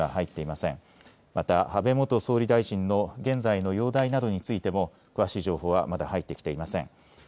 また安倍元総理大臣の現在の容体などについても詳しい情報はまだ入ってきていません。